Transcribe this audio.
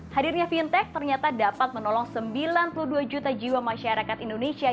hadirnya fintech ternyata dapat menolong sembilan puluh dua juta jiwa masyarakat indonesia